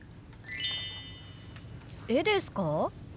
絵ですか？